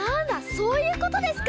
そういうことですか！